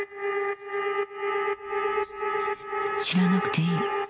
知らなくていい。